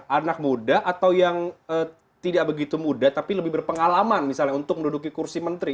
anak muda atau yang tidak begitu muda tapi lebih berpengalaman misalnya untuk menduduki kursi menteri